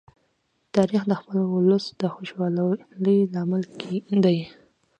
تاریخ د خپل ولس د خوشالۍ لامل دی.